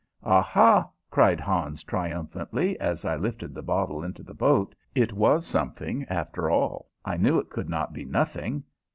"Aha!" cried Hans, triumphantly, as I lifted the bottle into the boat, "it was something, after all. I knew it could not be nothing.